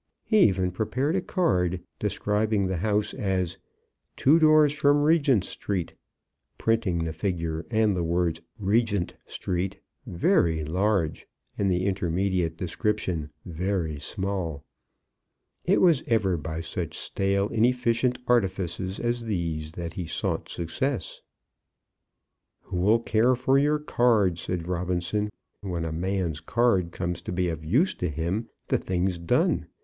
He even prepared a card, describing the house as "2 doors from Regent Street," printing the figure and the words "Regent Street" very large, and the intermediate description very small. It was ever by such stale, inefficient artifices as these that he sought success. "Who'll care for your card?" said Robinson. "When a man's card comes to be of use to him, the thing's done.